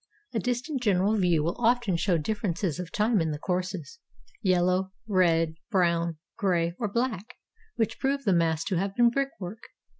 A distant general view will often show differences of time in the courses, yellow, red, brown, gray, or black, which prove the mass to have been brickwork.